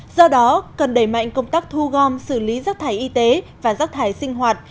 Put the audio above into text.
do đó cần đẩy mạnh công tác thu gom xử lý rác thải y tế và rác thải sinh hoạt